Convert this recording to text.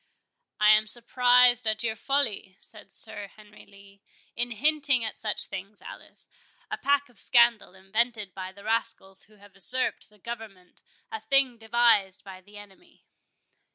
"I am surprised at your folly," said Sir Henry Lee, "in hinting at such things, Alice; a pack of scandal, invented by the rascals who have usurped the government—a thing devised by the enemy."